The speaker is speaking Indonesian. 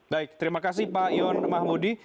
baik terima kasih pak yon mahmudi